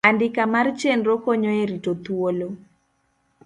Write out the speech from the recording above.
Andika mar Chenro konyo e rito thuolo.